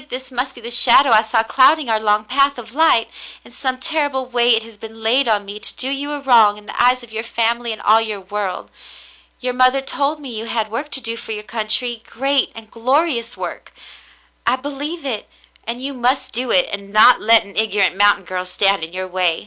This must be the shadow I saw clouding our long path of light. In some terrible way it has been laid on me to do you a wrong in the eyes of your family and all your world. Your mother told me you had work to do for your country, great and glorious work. I believe it, and you must do it and not let an ignorant mountain girl stand in your way.